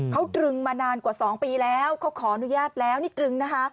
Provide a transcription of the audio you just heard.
เขาตรึงมานานกว่า๒ปีแล้วเขาขออนุญาตแล้วนี่ตรึงนะคะ